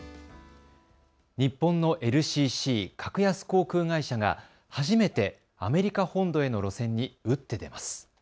日本のＬＣＣ・格安航空会社が初めてアメリカ本土への路線に打って出ます。